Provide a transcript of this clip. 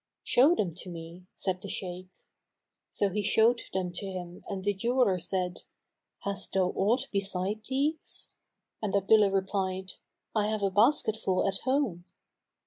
"Show them to me," said the Shaykh. So he showed them to him and the jeweller said, "Hast thou aught beside these?"; and Abdullah replied, "I have a basket full at home."